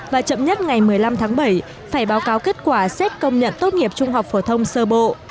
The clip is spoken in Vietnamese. và chậm nhất ngày một mươi năm tháng bảy phải báo cáo kết quả xét công nhận tốt nghiệp trung học phổ thông sơ bộ